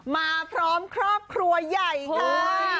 มาพร้อมครอบครัวใหญ่ค่ะ